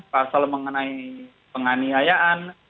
pasal mengenai penganiayaan